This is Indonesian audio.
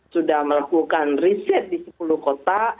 sudah melakukan riset di sepuluh kota